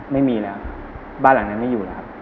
ไม่มีแล้วบ้านหลังนั้นไม่อยู่แล้วครับ